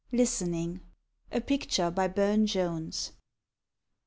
Listening. A PICTURE BY BURNE JONES.